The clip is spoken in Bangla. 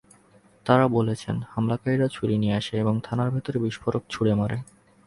তাঁরা বলেছেন, হামলাকারীরা ছুরি নিয়ে আসে এবং থানার ভেতরে বিস্ফোরক ছুড়ে মারে।